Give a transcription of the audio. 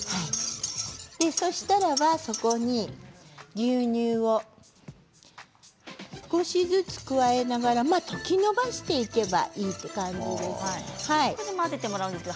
そしたらば、そこに牛乳を少しずつ加えながら溶きのばしていく感じです。